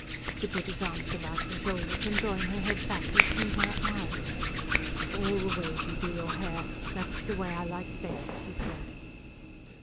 He put his arms about her shoulders and drawing her head back looked into her eyes. "Of all the ways you do your hair, that's the way I like best," he said...